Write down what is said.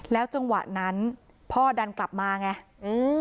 จังหวะนั้นพ่อดันกลับมาไงอืม